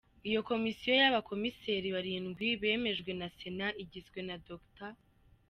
Iyo komisiyo y’abakomiseri barindwi , bemejwe na Sena, igizwe na Dr.